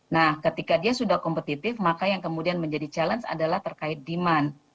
dan ketika itu sudah kompetitif maka yang kemudian menjadi challenge adalah terkait demand